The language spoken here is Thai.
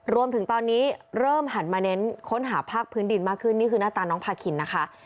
รวมถึงตอนนี้เริ่มหันมาเน้นค้นหาภาคพื้นดินมากขึ้นนี่คือหน้าตาน้องพาคินนะคะ